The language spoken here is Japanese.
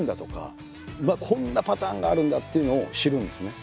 こんなパターンがあるんだっていうのを知るんですね。